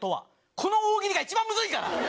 この大喜利が一番むずいから。